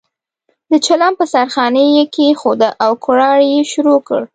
د چلم په سر خانۍ یې کېښوده او کوړاړی یې شروع کړ.